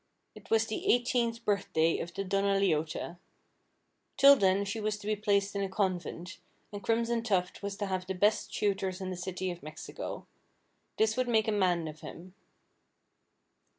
It was the eighteenth birthnight of the Donna Leota. Till then, she was to be placed in a convent, and Crimson Tuft was to have the best tutors in the City of Mexico. This would make a man of him.